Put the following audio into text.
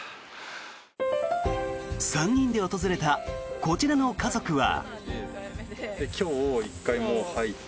３人で訪れたこちらの家族は。